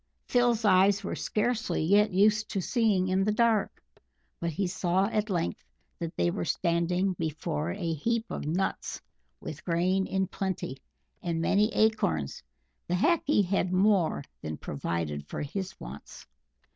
Phil's eyes were scarcely yet used to "seeing in the dark," but he saw at length that they were standing before a heap of nuts, with grain in plenty, and many acorns; the Hackee had more than provided for his wants.